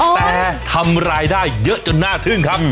แต่ทำรายได้เยอะจนน่าทึ่งครับ